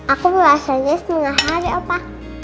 aku puasanya setengah hari opa